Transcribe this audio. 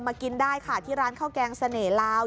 กินได้ค่ะที่ร้านข้าวแกงเสน่หลาว